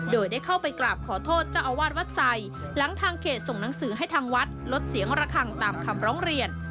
โดยได้เข้าไปกราบขอโทษเจ้าอาวาสวัดใสหลังทางเขตส่งหนังสือให้ทางวัดลดเสียงระคังตามคำร้องเรียน